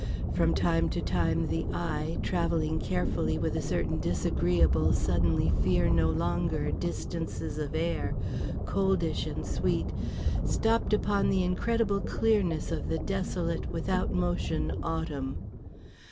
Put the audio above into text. From time to time the eye, travelling carefully with a certain disagreeable suddenly fear no longer distances of air, coldish and sweet, stopped upon the incredible clearness of the desolate, without motion, Autumn.